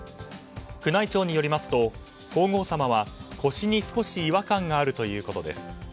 宮内庁によりますと、皇后さまは腰に少し違和感があるということです。